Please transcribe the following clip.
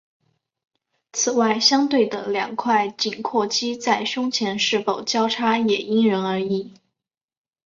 此外相对的两块颈阔肌在颈前是否交叉也因人而异。